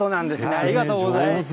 ありがとうございます。